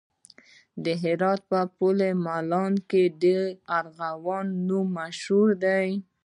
د هرات پل مالان د ارغوانو په نوم مشهور دی